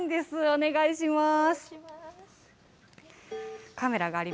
お願いします。